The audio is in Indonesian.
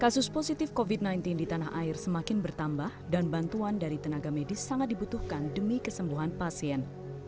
kasus positif covid sembilan belas di tanah air semakin bertambah dan bantuan dari tenaga medis sangat dibutuhkan demi kesembuhan pasien